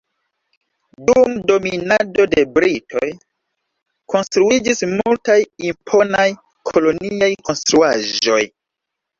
Dum dominado de britoj konstruiĝis multaj imponaj koloniaj konstruaĵoj.